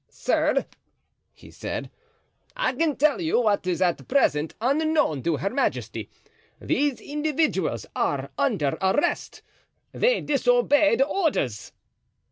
"Sir," he said, "I can tell you what is at present unknown to her majesty. These individuals are under arrest. They disobeyed orders."